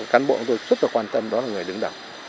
các cán bộ của tôi rất là quan tâm đó là người đứng đẳng